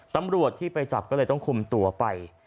ตำรวจที่ไปจับก็เลยต้องคุมตัวไป